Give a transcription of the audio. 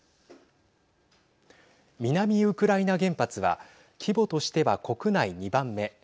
南ウクライナ原発は規模としては国内２番目。